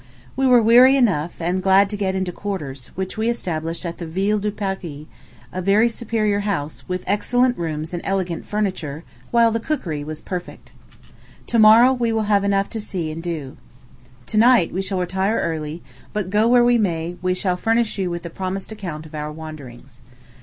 We were weary enough, and glad to get into quarters, which we established at the Ville de Paris, a very superior house, with excellent rooms and elegant furniture, while the cookery was perfect. To morrow we have enough to see and to do. To night we shall retire early; but, go where we may, we shall furnish you the promised account of our wanderings.